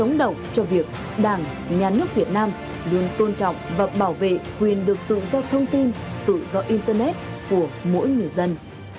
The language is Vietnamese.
sống động cho việc đảng nhà nước việt nam luôn tôn trọng và bảo vệ quyền được tự do thông tin tự do internet của mỗi người dân